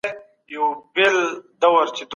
تاسو باید په خپلو دندو کي پابند اوسئ.